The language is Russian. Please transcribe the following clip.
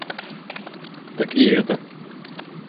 Так и это.